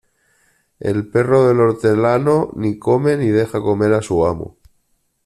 El perro del hortelano ni come, ni deja comer a su amo.